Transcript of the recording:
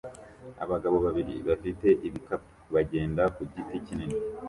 Abagabo babiri bafite ibikapu bagenda ku giti kinini